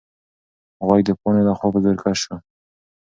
غوږ د پاڼې لخوا په زور کش شو.